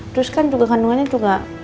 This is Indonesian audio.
terus kan juga kandungannya juga